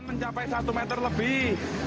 mencapai satu meter lebih